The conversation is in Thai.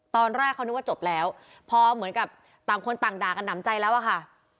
ตอนแรกเขานึกว่าจบแล้วพอเหมือนกับต่างคนต่างด่ากันหนำใจแล้วอะค่ะ